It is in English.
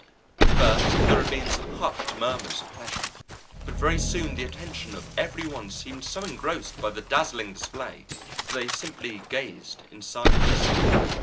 At first there had been some hushed murmurs of pleasure, but very soon the attention of every one seemed so completely engrossed by the dazzling display that they simply gazed in silence.